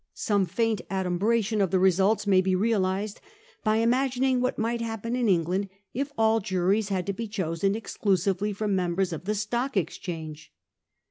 Some faint adumbration of the results may be realised by imagining what might happen in England if all juries had to be chosen exclusively from members of the Stock Exchange.